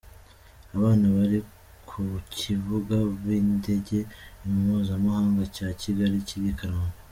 Abana bari ku kibuga cy'indege mpuzamahanga cya Kigali kiri i Kanombe.